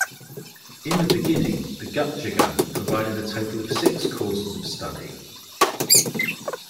In the beginning, the Gukjagam provided a total of six courses of study.